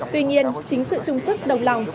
tuy nhiên chính sự trung sức đồng lòng